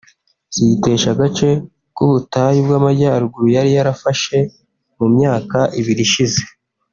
ziyitesha agace k’ubutayu bw’amajyaruguru yari yarafashe mu myaka ibiri ishize